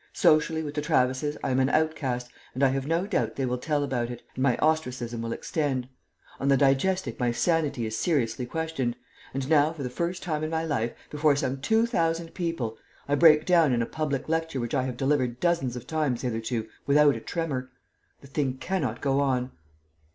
Socially with the Travises I am an outcast, and I have no doubt they will tell about it, and my ostracism will extend. On the Digestic my sanity is seriously questioned, and now for the first time in my life, before some two thousand people, I break down in a public lecture which I have delivered dozens of times hitherto without a tremor. The thing cannot go on."